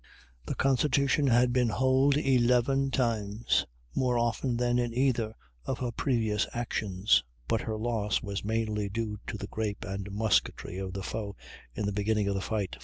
The Constitution had been hulled eleven times, more often than in either of her previous actions, but her loss was mainly due to the grape and musketry of the foe in the beginning of the fight.